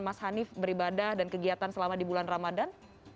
mas hanif beribadah dan kegiatan selama di bulan ramadan